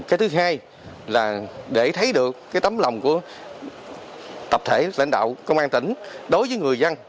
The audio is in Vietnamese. cái thứ hai là để thấy được cái tấm lòng của tập thể lãnh đạo công an tỉnh đối với người dân